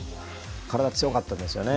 体が強かったですね。